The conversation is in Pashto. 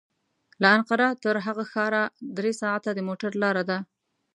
له انقره تر هغه ښاره درې ساعته د موټر لاره ده.